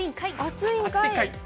暑いんかい。